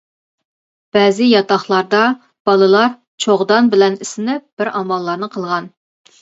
بەزى ياتاقلاردا بالىلار چوغدان بىلەن ئىسسىنىپ بىر ئاماللارنى قىلغان.